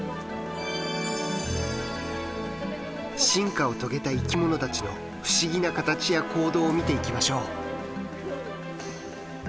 進化を遂げた生きものたちの不思議な形や行動を見ていきましょう。